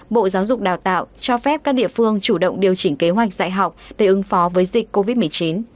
bộ giáo dục đào tạo cho phép các địa phương chủ động điều chỉnh kế hoạch dạy học để ứng phó với dịch covid một mươi chín